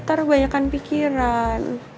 ntar banyakan pikiran